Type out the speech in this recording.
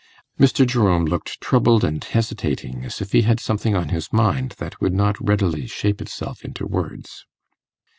Mr. Jerome looked troubled and hesitating, as if he had something on his mind that would not readily shape itself into words.